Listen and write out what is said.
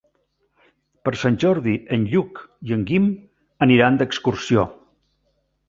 Per Sant Jordi en Lluc i en Guim aniran d'excursió.